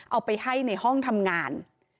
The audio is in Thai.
เอาไปให้ในห้องทำงาน